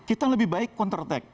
kita lebih baik counter act